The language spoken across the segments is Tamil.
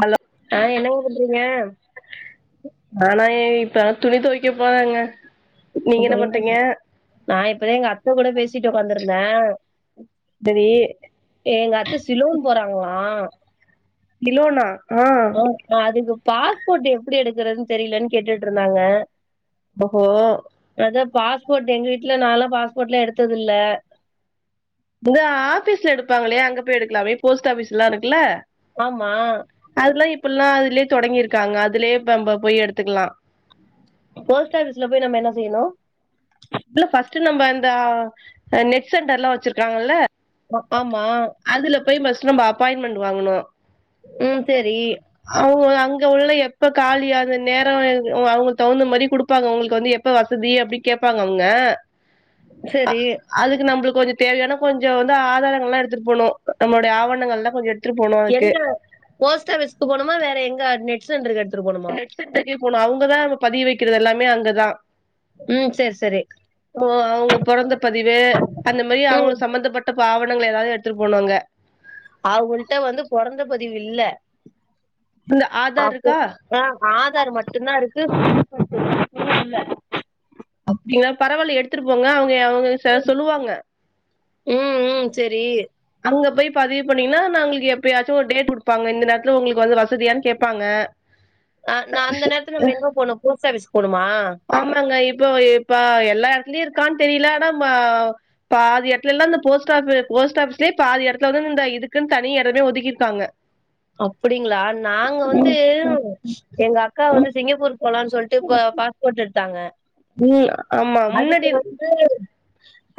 ஹலோ என்ன மா பண்ணுறீங்க நானா ஏ இப்ப துணி துவைக்க போறங்க அப்ற என்ன நா இப்பதா எங் அத்த கூட பேசிட்டு ஒக்காந்துருந்தே செரி ஏங்க அத்த சிலோன் போறாங்ளா சிலோனா ஆ அதுக்கு பாஸ்போர்ட் எப்டி எடுக்கறதுனு தெரிலனு கேட்டுட்ருந்தாங்க ஓஹோ அதா பாஸ்போர்ட் எங்க வீட்ல நானாலா பாஸ்போர்ட்லா எடுத்ததில்ல இது ஆபீஸ்ல எடுப்பாங்ளே அங்க போய் எடுக்கலாமே போஸ்ட் ஆபிஸ்ல்லா இருக்குல்ல ஆமா அதெல்லா இப்பல்லா அதுலே தொடங்கிருக்காங்க அதுலே இப்ப நம்ம போய் எடுத்துக்கலா போஸ்ட் ஆஃபிஸ்ல போயி நம்ம என்ன செய்ணு உள்ள ஃபர்ஸ்ட்டு நம்ம இந்த அ நெட் சென்டர்ல்லா வச்சிருக்காங்கள்ல ஆம்மா அதுல போயி ஃபர்ஸ்ட் நம்ம அப்பாயின்மெண்ட் வாங்கணு ம் செரி அவுங்க அங்க உள்ள எப்ப காலியாகுற நேரோ [unintelligible] அவுங்களுக் தகுந்த மாரி குடுப்பாங்க உங்களுக்கு வந்து எ ப்ப வசதி அப்டி கேப்பாங்க அவுங்க செரி அதுக்கு நம்பளுக்கு கொஞ்ச தேவையான கொஞ்சோ வந்து ஆதாரங்கள்லா எடுத்துட்டடு போணு நம்மளுடைய ஆவணங்கலள்லா கொஞ்ச எ எங்க போஸ்ட் ஆஃபிஸ்க்கு போணுமா வேற எங்க நெட்சென்ட்ருக்கு எடுத்துட்டு போணுமா நெட் சென்டருக்கே போலா அவு ங்கதா நம்ம பதிய வக்கிறது எல்லாமே அங்கதா ம் சரி, சரி. மொ அவுங்க பொறந்த பதிவு அந்த மாரி ம் அவங்களுக் சம்பந்தப்பட் ட்ட ஆவணங்கள ஏதாவது எட்துட்டு போணு அங்க அவுகள்ட்ட வந்து பொறந்த பதிவு இல்ல இந் ஆதார் அப்போ இருக்கா ஆ ஆதார் மட்டு தா இருக்கு [inaudible] இல்ல அப்டியா பரவால்ல எடுத்துட்டு போங்க அவுங்க அவுங்க செ சொல்லுவாங்க ம் ம் செரி அங்க போய் பதிவு பண்ணிங்னா நா உங்களுக்கு எப்பயாச்சு ஒரு டேட் குடுப்பாங்க இந்த நேர்த்துல உங்களுக்கு வந்து வசதியான் கேப்பாங்க ஆ நா அந்த நேரத்துல நம்ம எங்க போணு போஸ்ட் ஆஃபீஸ் போணுமா ஆமாங்க இப்போ இப்ப எல்லா எடத்துலியு இருக்கான் தெரில ஆனா ம பாதி எட்துலேல்லா இந்த போஸ்ட் ஆஃபு போஸ்ட் ஆஃபீ ஸ்ல பாதி எடத்துல தான இந்த இதுக்குன் தனி எடமே ஒதுக்கிருக்காங்க அப்டிங்ளா நாங்க வந்து எங்க அக்கா வந்து சிங்கப்பூரு போலான் சொல்ட்டு இப்ப பாஸ்போர்ட் எடுத்தாங்க ம் ஆம்மா அதுக்கு முன்னாடி வ இருந்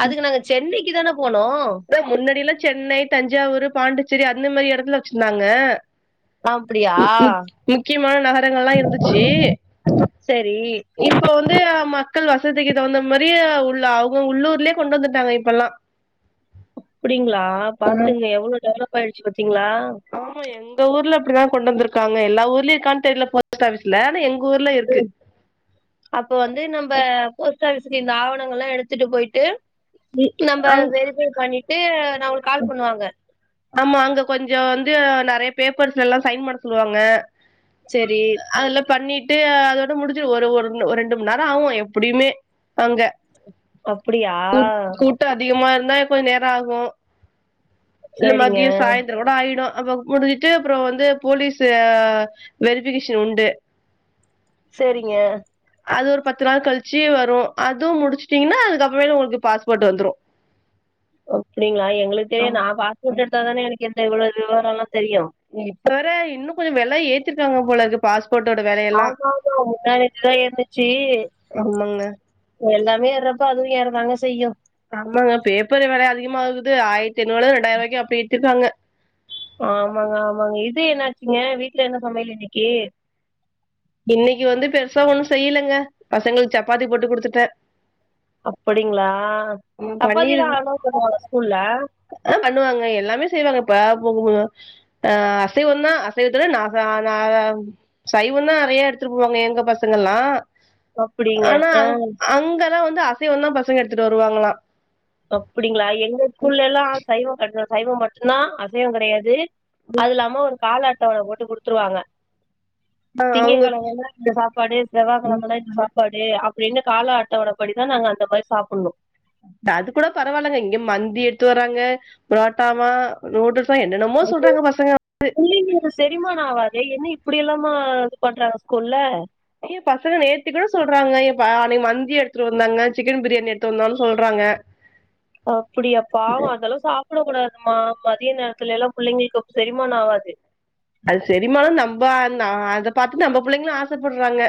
அதுக்கு நாங்க சென்னைக்கு தான போனோ முன்னாடியெல்லா சென்னை தஞ்சாவூரு பாண்டிச்சேரி அந்த மாதிரி எடத்துல வச்சிருந்தாங்க அப்படியா? ம் ம் முக்கியமான நகரங்கள்லா இருந்துச்சு செரி இப்ப வந்து மக்கள் வசதிக்கு தகுந்த மாரியே உள்ள அவுங்க உள்ளூர்லயே கொண்டு வந்துட்டாங்க இப்பல்லா அப்டிங்ளா ம். பாத்துங்க எவ்ளோ டெவலப் ஆயிடுச்சு பாத்தீங்ளா ஆமா எங்க ஊர்ல அப்டிதா கொண்டு வந்ருக்காங்க எல்லா ஊர்லயு இருக்கான் தெர்ல போஸ்ட் ஆஃபீஸ்ல ஆனா எங் ஊர்ல இர்க்கு அப்ப வந்து நம்ப போஸ்ட் ஆஃபீஸ்கு இந்த ஆவணங்கள்லா எடுத்துட்டு போயிட்டு ம். நம்ப அங் வெரிஃபய் பண்ணிட்டு நம்பளுக்கு கால் பண்ணுவாங்க ஆமா அங்க கொஞ்ச வந்து நெறய பேப்பர்ஸ்லல்லா சைன் பண்ண சொல்லுவாங்க செரி அதுல்ல பண்ணிட்டு அதோட முடிஞ்சுரு ஒரு ஒரு ஒரு ரெண்டு மண் நேர ஆவு எப்டியுமே அங்க அப்படியா? கூ கூட்ட அதிகமா இருந்தா கொஞ்ச் நேர ஆகு இல்ல சரிங்க, மதிய சாய்ந் தர கூட ஆயிடு அப்ப முடிஞ்ட்டு அப்றோ வந்து போலீஸ்சு வெரிஃபிகேஷன் உண்டு சேரிங்க அது ஒரு பத்து நாள் கழ்ச்சு வரு அதும் முடிச்சுட்டீங்ன்னா அதுக்கப்பறமேல் உங்களுக்கு பாஸ்போர்ட்டு வந்துரு அப்டிங்களா எங்களுக்கு தெரியாது ஆமா நா ம். பாஸ்போர்ட் எடுத்தாதான எனக்கு இந்த இவ்ளோ விவரோலா தெரியு இப்ப வேற இன்னு கொஞ்சொ வெல ஏத்திருக்காங்க போலருக்கு பாஸ்போட்டோட வெலய ஆமாமா முந்தாநேத்துதா இருந்துச்சு ஆமாங்க எல்லாமே ஏர்ரப்ப அதுவு ஏற தாங்க செய்யு ஆமாங்க பேப்பரு வெல அதிகமாகுது ஆயரத்தி ஐநூறுவால ரெண்டாயிர ருவாய்க்கு அப்டி ஏத்திற்காங்க ஆமாங்க ஆமாங்க இது என்னாச்சுங்க வீட்ல என்ன சமையலு இன்னக்கி இன்னக்கி வந்து பெருசா ஒன்னு செய்யலங்க பசங்களுக்கு சப்பாத்தி போட்டு குடுத்துட்டே அப்படிங்களா ம் பன்னீர் சப்பாத்திலா அலோ பண்ணவாங்க ஸ்கூல்ல ஆ பண்ணுவாங்க எல்லாமே செய்வாங்க இப்ப பே புகுமலு ஆ அசைவந் தா அசைவத்துல நா க ந க சைவந் தா நெறைய எடுத்துட்டு போவாங்க எங்க பசங்கல்லா அப்டிங்க. ஆனா அ அங்க அங்க வந்து அசைந்தா பசங்க எடுத்துட்டு வருவாங்களா அப்படிங்களா எங்க ஸ்கூல்லேலா சைவங் கட்னா சைவொ மட்டுந்தா அசைவொ கெடையாது அது இல்லாம ஒரு கால அட்டவன போட்டு குடுத்துருவாங்க ஆ திங்க அவங்க கெழமன்னா இந்த சாப்பாடு செவ்வா ம் கெழமன்னா இந்த சாப் பாடு அப்டின்னு கால அட்டவணபடிதா நாங்க அந்த மாரி சாப்பண்ணு அது கூட பரவால்லைங்க இங்க மந்தி எடுத்து வர்றாங்க புரோட்டாவா நூடுல்ஸா என்னென்னமோ சொல்றாங்க பசங்க பிள்ளைங்களுக்கு செரிமானோ ஆவாதே என்ன இப்படியல்லாம இது பண்றாங்க ஸ்கூல்ல ஏ பசங்க நேத்தி கூட சொல்றாங்க ஏ அன்னக்கி மந்தி எடுத்துட்டு வந்தாங்க சிக்கன் பிரியாணி எடுத்துட்டு வந்தான் சொல்றாங்க அப்படியா பாவோ அதல்லா சாப்ட கூடாதுமா மதிய நேரத்துலேல்லா பிள்ளைங்களுக்கு செரிமான ஆவாது அது செரிமானோ நம்ப ந அத பாத்து நம்ம பிள்ளைங்களு ஆசப்பற்றாங்க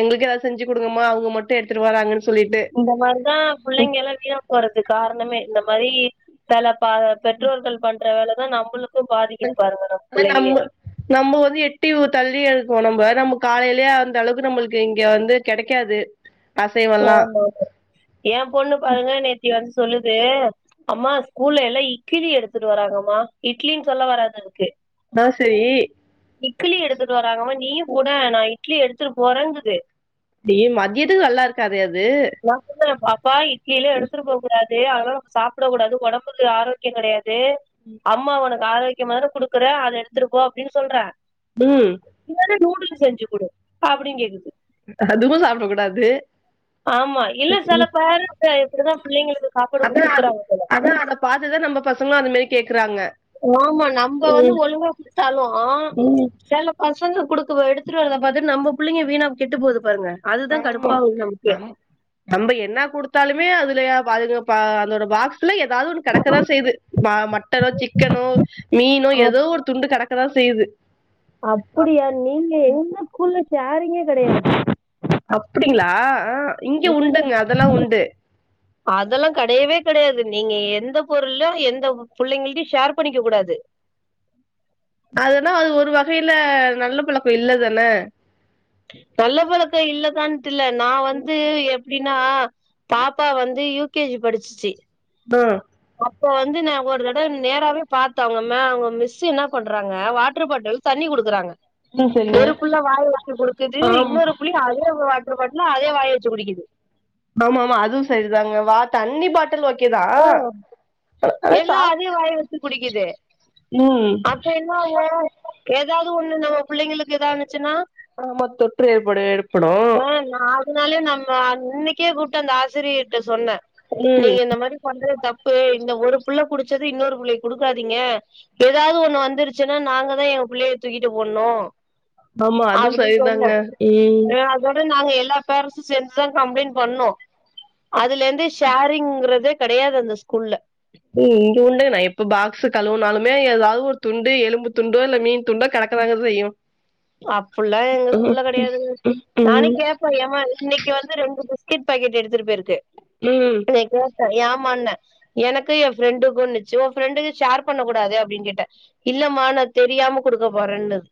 எங்களுக்கு எதாச்சு செஞ்சு குடுங்கமா அவுங்க மட்டு எடுத்துட்டு வராங்கன் சொல்லிட்டு இந்த மாரிதா பிள்ளைங்கல்லா வீணா போறதுக் காரணமே இந்த மாரி செல ப பெற்றோர்கள் பண்ற வேலதா நமபளுக்கு பாதிக்குது பாருங்க நம்ம புள்ளைகளையு நம்ப வந்து எட்டி தள்ளி இருக்கோ நம்ப நம்ப காலேலயே அந்த அளவுக்கு நம்பளுக்கு இங்க வந்து கெடைக்காது அசைவல்லா ஆமாமா ஏ பொண்ணு பாருங்க நேத்தி வந்து சொல்லுது அம்மா ஸ்கூல்ல எல்லா இக்கிலி எடுத்துட்டு வராங்கம்மா இட்லின்னு சொல்ல வராது அதுக்கு ஆ செரி இக்கிலி எடுத்துட்டு வறாங்கமா நீயு குடே நா இட்லி எடுத்துட்டு போறேங்குது டி மதியத்துக்கு நல்லாருக்காதே அது நா சொல்டே பாப்பா இட்லிலா எடுத்துட்டு போக கூடாது அதல்லா நமக்கு சாப்டக் கூடாது ஒடம்புக்கு ஆரோ க்கியோ கெடையாது அம்மா ஒனக்கு ஆரோக்கியமா தான குடுக்குறே அத எடுத்துட்டு போ அப்டின்னு சொல்றே ம் நீ வேனா நூடுல்ஸ் செஞ்சு குடு அப்டிங்கிது அதுவு சாப்ட கூடாது ஆமா இல்ல சில பேர்ன்டு இப்டிதா பிள்ளைங்களுக்கு சாப்பாடு அப்பறோ அது குடுக்குறாங்க அதா பாத்துதா நம்ம பசங்களு அது மாரி கேக்குறாங்க ஆமா நம்ப வந்து ம் ஒழுங்கா குடுத்தாலு ம் செல பசங்க குடுக்க எடுத்துட்டு வரத பாத்துட்டு நம்ம பிள்ளைங்க வீணா கெட்டு போது பாருங்க அதுதா ஆமா கடுப்பாவுது நமக்கு நம்ம நம்ப என்னா குடுத்தாலுமே அதுலய பா அதுங்க அதோட பாக்ஸ் ஃபுல்லா ஏதாது ஒன்னு கெடக்கதா செய்து மா மட்டனோ சிக்கனோ மீனோ அப் ஏதோ ஒரு துண்டு கிடக்கதா செய்யுது அப்படியா நீங்க எங்க ஸ்கூல்ல ஷேரிங்கே கிடையாது அப்படிங்கலா ஹ இங்க உண்டுங்க அதெல்லாம் உண்டு அதெல்லா கெடயவே கிடையாது நீங்க எந்த பொருளோ எந்த புள்ளிங்களூக்கு ஷேர் பண்ணிக்க கூடாது அதுனா அது ஒரு வகையில நல்ல பழக்கோ இல்லதானே நல்ல பழக்கே இல்ல தான்ட்டுல்ல நான் வந்து எப்பிடின்னா பாப்பா வந்து யூ கே ஜி படிச்சிச்சு அ அப்ப வந்து நா ஒரு தடவை நேராவே பார்த்தே அவங்க மே அவுங்க மிஸ் என்ன பண்றாங்க வாட்டர் பாட்டில் தண்ணி கொடுக்குறாங்க ம் சரிங்க. ஒரு புள்ள வாய் வச்சு கொடுக்குது ஆம். இன்னொரு புள்ளியூ அதே வாட்டர் பாட்டல்ல அதே வாய வச்சு குடிக்குது ஆமா ஆமா அதுவூ சரிதாங்க வா தண்ணி பாட்டில் ஓகேதா எல்லா அதே வாயேவச்சு குடிக்குது ம். அப்ப என்ன என்ன ஓ எதாவது ஒன்னு நம்ம பிள்ளைங்களுக்கு ஏதாந்ச்சுன்னா ஆமா தொற்று ஏற்படு ஏற்படூம் அதனாலயே நம்ம அன்னிக்கே கூப்ட்டு அந்த ஆசிரியட்ட சொன்னே ம் நீங்க இந்த மாரி பண்றது தப்பு இந்த ஒரு புள்ள குடிச்சது இன்னொரு பிள்ளைக்கு குடுக்காதீங்க ஏதாவது ஒண்ணூ வந்துருச்சுன்னா நாங்கதா எங் பிள்ளைய தூக்கிட்டு ஓட்னோ ஆமா அது சரிதாங்க ம் தோட நாங்க எல்லா பேரஸும் சேர்ந்துதா கம்ப்ளைண்ட் பண்ணோ அதுலருந்து ஷேரிங்கறது கடையாது அந்த ஸ்கூல்ல ஏ இங்க வந்து நா எப்ப பாக்ஸ் கழுவுனாலுமே ஏதாவது ஒரு துண்டு எலும்பு துண்டோ இல்ல மீன் துண்டோ கடக் குறதுயூ அப்புல்லா எங்க ஸ்கூல்ல கிடையாதுங் நானே ம் கேப் ஏமா இன்னிக்கு வந்து ரெண்டு பிஸ்கட் பாக்கெட் எடுத்துட்டு போயிருக்கு ம் செரீ கேட்டோ ஏமாண்ணே எனக்கு என் ஃப்ரெண்டுக்குன்னுச்சு உங் ஃப்ரெண்டுக்கு ஷேர் பண்ண கூடாது அப்படின்னுகேட்டே இல்லமா நா தெரியாம குடுக்க போறேன்னுத்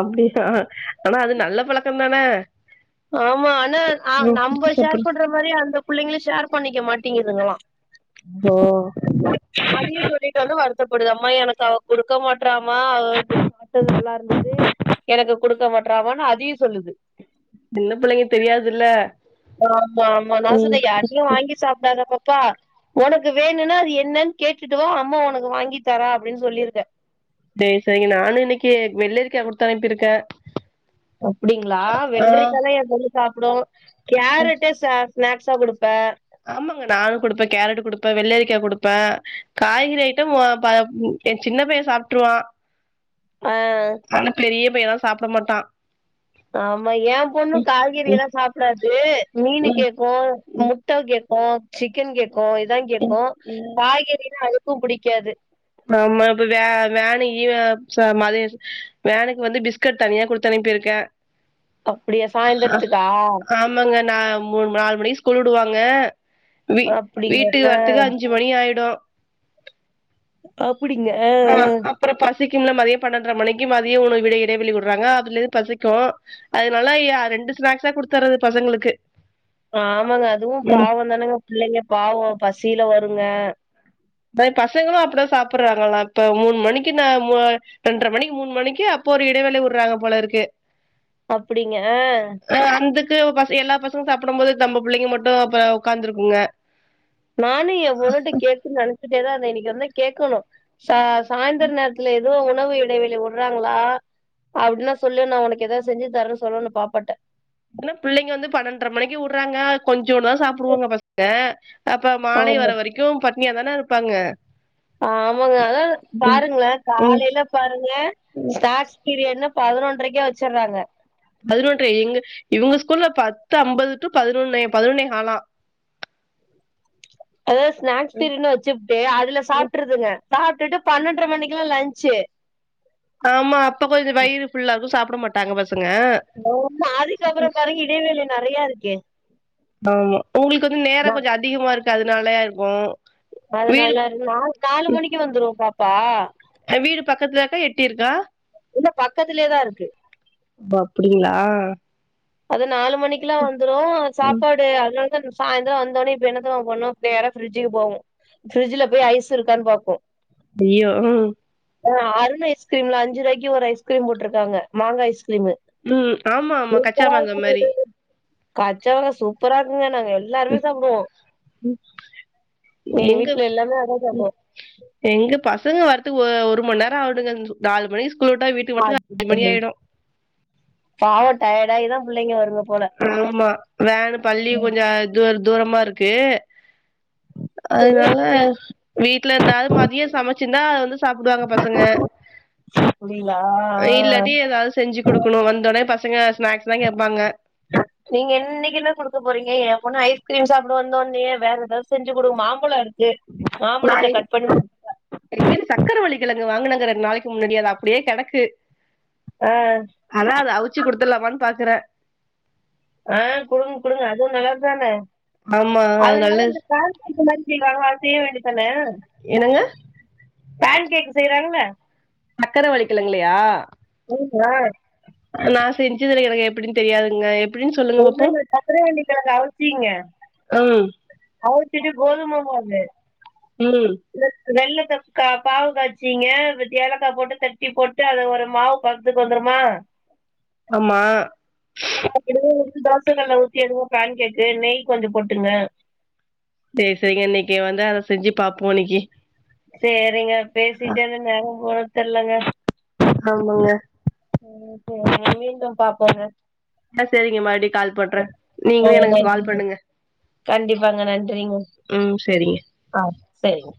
அப்டியா ஆனா அது நல்ல பழக்கே தான ஆமா ஆனா ஆ நம்ம குடுத்து ஷேர் சாப்புட்ற பண்ற மாரி அந்த பிள்ளைங்களூ ஷேர் பண்ணிக்க மாட்டேங்குதுங்களா ப்பா அது சொல்லிட்டு வந்து வருத்தப்படுது அம்மா எனக்கு அவ கொடுக்க மாட்றாமா அவ வந்து சாப்ட்டது நல்லாருந்தது எனக்கு குடுக்க மாட்றா அவெ அதையூ சொல்லுது சின்ன புள்ளைங்க தெரியாதுல்ல ஆமா ஆமா நா ம் சொன்னே யார்டையூ வாங்கி சாப்பிடாதப் பா உனக்கு வேணுனா அது என்னன் கேட்டுட்டுவா அம்மா உனக்கு வாங்கி தாரா அப்படின்னு சொல்லிருக்கே டே சரிங்க நானு இன்னிக்கு வெள்ளரிக்கா கொடுத்து அனுப்பிருக்கே அப்டிங்களா ஆ வெள்ரிக்கல்லா ஏ பொண்ணு சாப்டு ம் கேரட்டே சா ஸ்நாக்ஸா கொடுப்போ ஆமாங்க நானு குடுப்பே கேரட் குடுப்பே வெள்ளரிக்கா குடுப்பே காய்கறி ஐட்டம் பா ஏ சின்ன பையோ சாப்ட்ருவா ஆ ஆனாப் பெரிய பையலா சாப்ட மாட்டா ஆமா ஏம் பொண்ணு ம் காய்கறியலா சாப்டாது மீனு ம் கேக்கோ முட் ட்ட கேக்கோ, சிக்கன் கேக்கோ இதாங் ம் கேக்கோ ம் காய்கறினா அதுக்கும் புடிக்காது ஆமா இப்ப வே வேனு இவே ச மதேச் வேனுக் வந்து பிஸ்கட் தனியா குடுத்தனுப்பிருக்கே அப்டியா சாய்ந்திரத்துக்கா மங்க நா மூன் நாலு மணிகு ஸ்கூல் வுடுவாங்க வீ அப்டிங்க வீட்டுகு வரத்துக்கு அஞ்சி சு மணியாய்டு அப்டிங்க அ அ அப்றோ பசிக்கும்ல மதிய பன்னெண்ர மணிக்கி மதிய உணை விட இடைவெளி விட்றாங்க அதுலே பசிக்கு அதனாலய ரெண்டு ஸ்நாக்ஸா குடுத்தர்றது பசங்ளுக்கு ஆமங்க அதுவும் பாவாந்தானங்க பிள்ளைங்க பாவோ பசில வருங்க பய் பசங்களு அப்டிதா சாப்பிர்றாங்களா இப்ப மூன் மணிக்கு நா மு ரெண்ற மணிக்கு, மூன் மணிக்கு அப்போ ஒரு இடைவேள வுர்றாங்க போலருக்கு அப்டிங்க அ அ அந்துக்கு பச எல்லாப் பசங்க சாப்டம் மோது தம்ம பிள்ளைங்க மட்டு அப்ப உக்காந்துருக்குங்க நானு எம் பொண்ணுட்ட கேக்குன் நெனச்சிட்டேதாந்தே இனைக்கு வந்தாக் கேக்கணு சா சாயந்தர நேரத்துல எதுக் றோ உணவு இடைவெளி வுர்றாங்ளா அப்டினா சொல்லு நா உனக் எதா செஞ்சி தரேனு சொல்லனு பாப்பாட்ட என்ன பிள்ளைங்க வந்து பன்னெண்ர மணிக்கு வுர்றாங்க கொஞ்சூண்தா சாப்டுவாங்க பச்கே அப்ப மாலை ஆமா வர வரைக்கு பட்னியாதானே இருப்பாங்க ஆமங்க அதாத ம் பாருங்ளே ம் காலைலப் பாருங்க ஸ்டார்ட்ஸ் பீரியட்னு பதனொன்ரைக்கே வெச்சர்றாங்க பதனொன்றை எங்க இவுங்க ஸ்கூல்ல பத்து அம்பது டூ பதனொன்னே பதனொன்னேஹாலா அதாது ஸ்நாக்ஸ் பீரியட்னு வெச்சுப்ட்டு அதுல சாப்ட்ருதுங்க சாப்டுட்டு பன்னெண்ட்ர மணிக்லா லன்ஞ்ச்சே ஆமா அப்ப கொஞ்சோ வயிறு ஃபுல்லாகு சாப்ட மாட்டாங்க பசங்க நாதிக்கப்பற பாருங்க இடைவெளி நெறையாருக்கே ஆமா உங்ளுக்கு வந்து நேரோ நா கொஞ்சோ அதிகமாருக்கு அதுனாலயாருக்கு அதனால நாலு மணிக்கு வந்துரு பாப்பா அ வீடு பக்கத்லருக்கா எட்டிருக்கா இல்லப் பக்கத்திலியேதா இருக்கு பப்டிங்ளா அது நாலு மணிக்கிலா வந்துரு ம் சாப்பாட் பே அதனால்தான் சாயந்ரோ வந்தோனே இப்ப என்னத் தெமா பண்ணு பேரா ஃப்ரிட்ஜிக்கு போவு ஃப்ரிட்ஜ்ல போயி ஐஸ் இருக்கான் பாக்கு அய்யோ அ அ அருண் ஐஸ்கிரீம்ல அஞ்சுருவாய்க்கி ஒரு ஐஸ்க்ரீம் போட்ருக்காங்க மாங்கா ஐஸ்கிரீமு ம் ஆமாமா கச்சவக சூப்பராக்குங்க நாங்க எல்லாருமே சாப்டுவோ எங்க வீட்ல எல்லாமே அதா சாப்டுவோ எங்க பசங்க வரத்துக்கு ஒ ஒரு மண் நேரோ ஆவுடுங்க நாலு மணிக் ஸ்கூல் வுட்டா வீட் [unintelligible] பாவோ டயடாயிதா புள்ளைங்க வருங்கப் ஆமா வேனு பள்ளியு கொஞ்சோ தூர தூரமாருக்கு அதுனால வீட்லந்தாலு மதிய சமச்சிந்தா அத வந்து சாப்டுவாங்க பசங்க அப்டிங்களா இல்லாட்டி ஏதாது செஞ்சு குடுக்குணு வந்தோனே பசங்க ஸ்நாக்ஸ்தா கேப்பாங்க நீங்க இன்னக்கென்னா குடுக்க போறீங்க ஏ பொண்ணு ஐஸ்கிரீம் சாப்டு வந்தோன்னையே வேற ஏதாது செஞ்சு குடுங் மாம்பழோ இருக்கு மாம்பழத்த கட் பண் சக்கரைவள்ளி கெழங்கு வாங்குனங்க ரெண்ட் நாளக்கு முன்னாடி அது அப்டியே கெடக்கு அ ஆனா அத அவிச்சு குடுத்துர்லாமான் பாக்குறே அ குடுங் குடுங்க அதுவு நல்லது தான ஆமா அது அதுனால நல்லது இந்த [unintelligible] செய்வாங்க அத செய்ய வேண்டியதான என்னங்க ஃபேன் கேக் செய்றாங்கல சக்கர வள்ளிக் கிழங்குலையா [unintelligible] நா செஞ்சதில்ல எனக்கு எப்டின் தெரியாதுங்க எப் ஒன்னுல்ல சக்கரவள்ளி கெழங்க அவுச்சீங்க ம் அவுச்சிட்டு கோதும மாவு ம் வெள்ளத்த கா பாவு காய்ச்சீங்க வ ஏலக்கா போட்டு தட்டி போட்டு அத ஒரு மாவு பதத்துக்கு வந்துருமா ஆமா அத அப்டியே தோச கல்ல ஊத்தி எதுவு ஃபேன் கேக்கு நெய் கொஞ்ச போட்டுகங்க சேரி சேரிங்க இன்னக்கி வந்து அத செஞ்சு பாப்போ இன்னக்கி சேரிங்க பேசிட்டே இருந்தே நேரம் போனது தெர்லங்க ஆமாங்க ம் சேரி மீண்டும் பாப்போங்க ஆ சேரிங்க மறுபடி கால் பண்றே நீங்ளு எனக்கு கால் பண்ணுங்க பாருங்க நன்றிங்க ம் சேரிங்க ஆ செரிங்க